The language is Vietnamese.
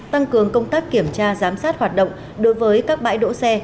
tăng cường công tác kiểm tra giám sát hoạt động đối với các bãi đỗ xe